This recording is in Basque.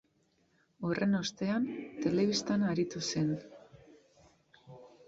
Horren ostean, telebistan aritu zen.